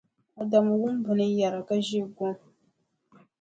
Adamu wum bɛ ni yɛra ka ʒeei gom.